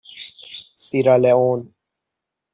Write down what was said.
سیرالئون